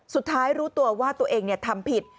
สุดท้ายรู้ตัวว่าตัวเองทำผิด